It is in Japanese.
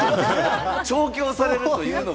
調教されるというか。